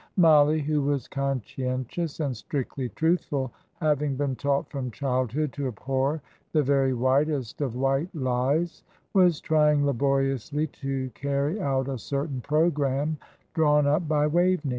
Mollie, who was conscientious and strictly truthful, having been taught from childhood to abhor the very whitest of white lies, was trying laboriously to carry out a certain programme drawn up by Waveney.